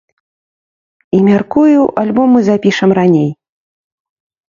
І, мяркую, альбом мы запішам раней.